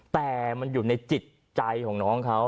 แต่มันอยู่ในจิตใจของน้องเขา